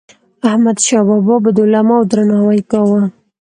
احمدشاه بابا به د علماوو درناوی کاوه.